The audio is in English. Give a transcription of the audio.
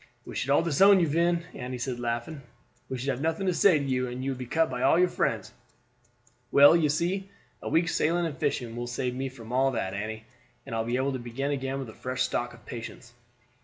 "We should all disown you, Vin," Annie said, laughing; "we should have nothing to say to you, and you would be cut by all your friends." "Well, you see, a week's sailing and fishing will save me from all that, Annie; and I be all be able to begin again with a fresh stock of patience."